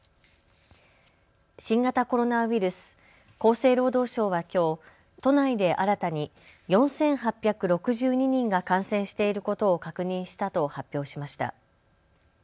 新型コロナウイルス、厚生労働省はきょう都内で新たに４８６２人が感染していることを確認したと発表しました。